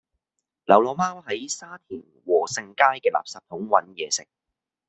流浪貓喺沙田禾盛街嘅垃圾桶搵野食